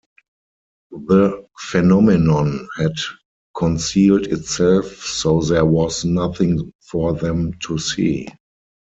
The phenomenon had concealed itself so there was nothing for them to see.